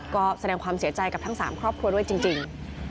ก็แสดงความเสียใจกับทั้ง๓ครอบครัวด้วยจริง